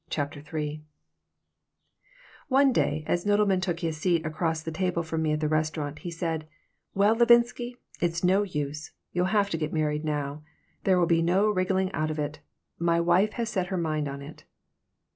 CHAPTER III ONE day, as Nodelman took his seat across the table from me at the restaurant, he said: "Well, Levinsky, it's no use, you'll have to get married now. There will be no wriggling out of it. My wife has set her mind on it."